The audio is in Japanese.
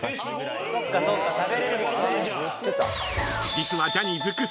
［実は］